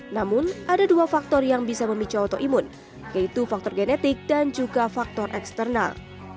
namun ada dua faktor yang bisa memicu autoimun yaitu faktor genetik dan juga faktor eksternal